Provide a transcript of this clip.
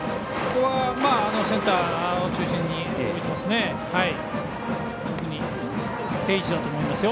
センターを中心に置いていますね。